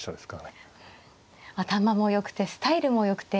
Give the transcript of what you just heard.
頭もよくてスタイルもよくて。